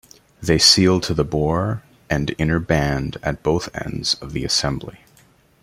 They seal to the bore and inner band at both ends of the assembly.